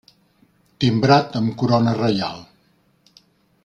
Timbrat amb corona reial.